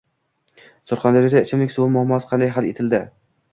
Surxondaryoda ichimlik suv muammosi qanday hal etiladi?